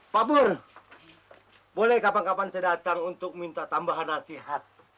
pak bur boleh kapan kapan saya datang untuk minta tambahan nasihat